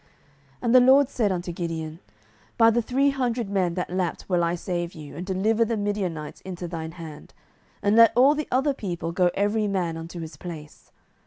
07:007:007 And the LORD said unto Gideon, By the three hundred men that lapped will I save you, and deliver the Midianites into thine hand: and let all the other people go every man unto his place.